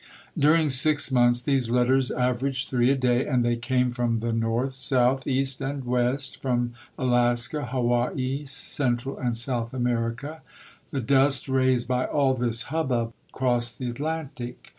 During six months these letters averaged three a day, and they came from the north, south, east, and west, from Alaska, Hawaii, Central and South America. The dust raised by all this hubbub crossed the Atlantic.